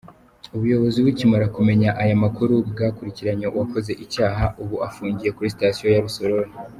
Ubuyobozi bukimara kumenya aya makuru bwakurikiranye uwakoze icyaha, ubu afungiye kuri sitasiyo ya Rusororo.